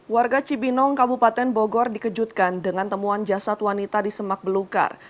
warga cibinong kabupaten bogor dikejutkan dengan temuan jasad wanita di semak belukar